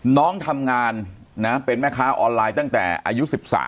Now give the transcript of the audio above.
น้องทำงานนะเป็นแม่ค้าออนไลน์ตั้งแต่อายุ๑๓